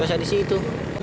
biasa di situ